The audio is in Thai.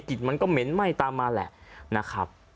มันก็เหม็นไหม้ตามมาแหละนะครับ